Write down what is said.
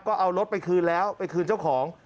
ก็เอารถไปคืนแล้วไปคืนเจ้าของ